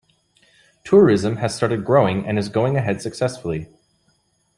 Tourism has started growing and is going ahead successfully.